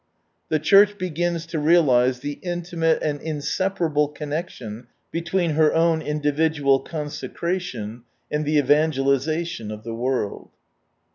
The Church begins to realize the intimate and inseparable connection between her own individual consecration and the evangelization of the world, 5.